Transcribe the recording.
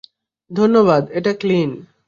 ধন্যবাদ - এটা ক্লিন।